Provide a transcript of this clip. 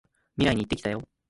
未来に行ってきたよ！